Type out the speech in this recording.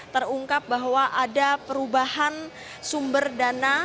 terungkap bahwa ada perubahan sumber dana